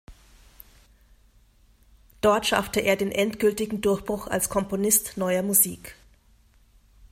Dort schaffte er den endgültigen Durchbruch als Komponist Neuer Musik.